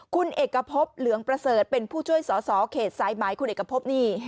คุณเอกพบเหลืองประเสริฐเป็นผู้ช่วยสอสอเขตสายไหมคุณเอกพบนี่